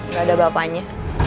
nggak ada bapaknya